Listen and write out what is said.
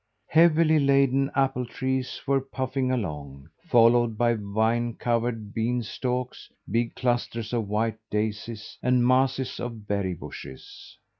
Heavily laden apple trees went puffing along, followed by vine covered bean stalks, big clusters of white daisies, and masses of berry bushes.